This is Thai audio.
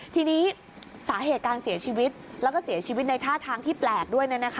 ทีนี้สาเหตุการเสียชีวิตแล้วก็เสียชีวิตในท่าทางที่แปลกด้วย